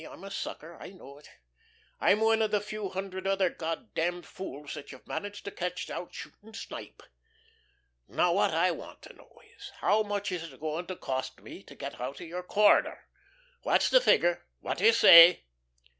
I'm a sucker. I know it. I'm one of the few hundred other God damned fools that you've managed to catch out shooting snipe. Now what I want to know is, how much is it going to cost me to get out of your corner? What's the figure? What do you say?"